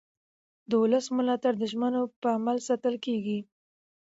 د ولس ملاتړ د ژمنو په عمل ساتل کېږي